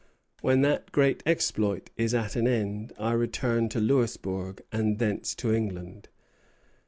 When that great exploit is at an end, I return to Louisbourg, and thence to England."